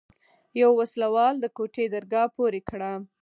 يوه وسله وال د کوټې درګاه پورې کړه.